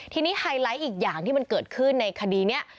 ทีนี้ไฮไลท์อีกอย่างที่มันเกิดขึ้นในคดีนี้